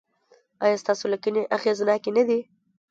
ایا ستاسو لیکنې اغیزناکې نه دي؟